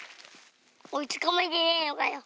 おいつかまえてねえのかよ。